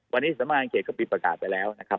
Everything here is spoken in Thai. วันนี้สำนักงานเขตก็ปิดประกาศไปแล้วนะครับ